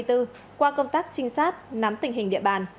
qua công tác trinh sát nắm tình hình địa bàn